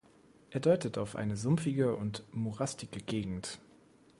Er deutet auf eine sumpfige und morastige Gegend.